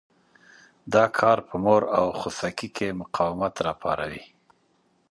دا کار په مور او خوسکي کې مقاومت را پاروي.